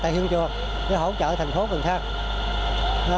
tại hương chùa để hỗ trợ thành phố cần thang